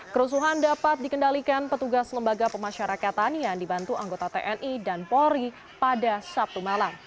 kerusuhan dapat dikendalikan petugas lembaga pemasyarakatan yang dibantu anggota tni dan polri pada sabtu malam